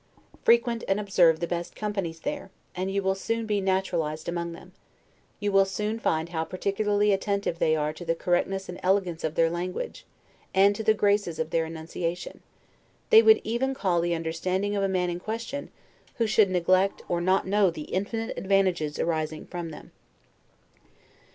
Frequent and observe the best companies there, and you will soon be naturalized among them; you will soon find how particularly attentive they are to the correctness and elegance of their language, and to the graces of their enunciation: they would even call the understanding of a man in question, who should neglect or not know the infinite advantages arising from them.